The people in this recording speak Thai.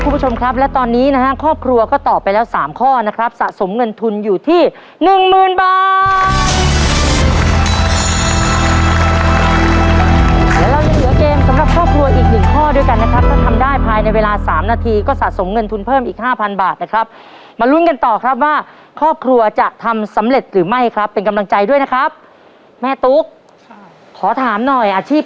มั่นใจนะแล้วเขาตอบไปแล้วนะครับว่าจานที่สองซึ่งเป็นคำตอบที่